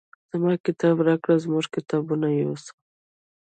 زما کتاب راکړه زموږ کتابونه یوسه.